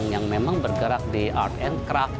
yang memang bergerak di art and craft